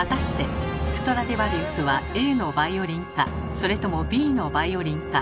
それともＢのバイオリンか？